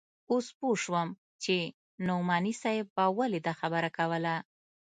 اوس پوه سوم چې نعماني صاحب به ولې دا خبره کوله.